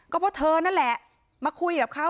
ก็เพราะเธอนั่นแหละมาคุยกับเขา